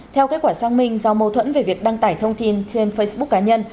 theo kết quả sang minh do mâu thuẫn về việc đăng tải thông tin trên facebook cá nhân